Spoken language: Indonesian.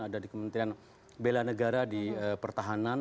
ada di kementerian bela negara di pertahanan